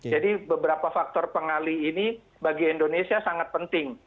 jadi beberapa faktor pengali ini bagi indonesia sangat penting